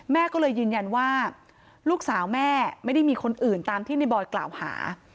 แม่ก็เลยยืนยันว่าลูกสาวแม่ไม่ได้มีคนอื่นตามที่ในบอยกล่าวหา